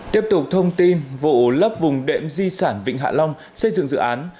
tiếp tục thông tin vụ lấp vùng đệm di sản vịnh hạ long xây dựng dự án